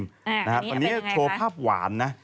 วันนี้จะเป็นอย่างไรคะวันนี้จะโชว์ภาพหวานนะ